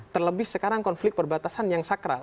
terlebih sekarang konflik perbatasan yang sakral